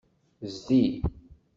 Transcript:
Zdi.